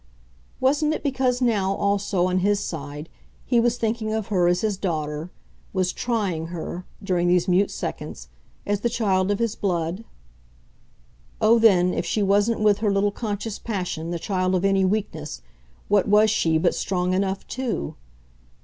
Wasn't it because now, also, on his side, he was thinking of her as his daughter, was TRYING her, during these mute seconds, as the child of his blood? Oh then, if she wasn't with her little conscious passion, the child of any weakness, what was she but strong enough too?